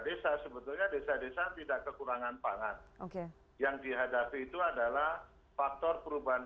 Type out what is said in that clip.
desa sebetulnya desa desa tidak kekurangan pangan yang dihadapi itu adalah faktor perubahan